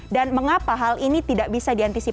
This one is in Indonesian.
dan mengapa hal ini tidak bisa dikonsumsi